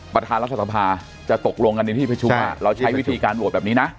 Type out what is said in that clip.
ประธานรัฐสภาจะตกลงกันในที่ประชุมเราใช้วิธีการโหวตแบบนี้นะ